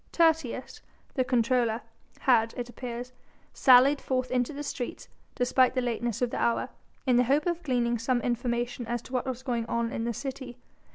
Tertius the comptroller had, it appears, sallied forth into the streets, despite the lateness of the hour, in the hope of gleaning some information as to what was going on in the city.